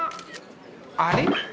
あれ？